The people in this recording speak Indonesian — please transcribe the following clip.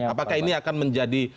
apakah ini akan menjadi